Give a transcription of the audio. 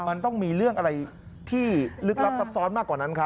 มันต้องมีเรื่องอะไรที่ลึกลับซับซ้อนมากกว่านั้นครับ